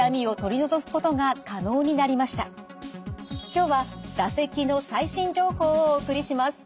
今日は唾石の最新情報をお送りします。